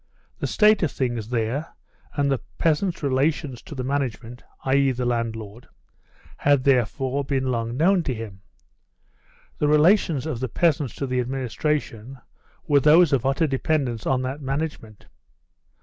The state of things there and the peasants' relations to the management, i.e., the landlord, had therefore been long known to him. The relations of the peasants to the administration were those of utter dependence on that management.